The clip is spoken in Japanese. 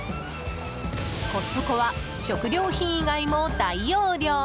コストコは食料品以外も大容量。